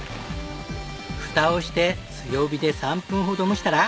フタをして強火で３分ほど蒸したら。